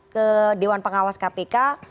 ke dewan pengawas kpk